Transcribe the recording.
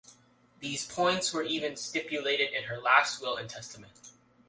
These points were even stipulated in her last will and testament.